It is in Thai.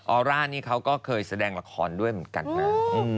อร่านี่เขาก็เคยแสดงละครด้วยเหมือนกันนะ